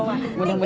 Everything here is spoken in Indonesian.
alenka di rumah